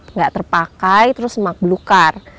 nggak terpakai terus semak belukar